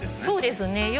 そうですね。